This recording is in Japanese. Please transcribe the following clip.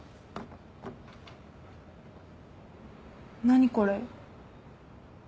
何これ？